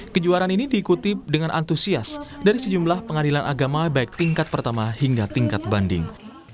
kejuaraan ini diikuti dengan antusias dari sejumlah pengadilan agama baik tingkat pertama hingga tingkat banding